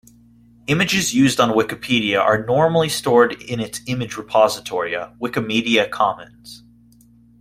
Images used on Wikipedia are normally stored in its image repository, Wikimedia Commons